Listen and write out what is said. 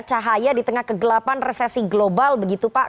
cahaya di tengah kegelapan resesi global begitu pak